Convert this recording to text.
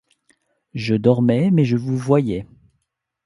Je dormais, mais je vous voyais.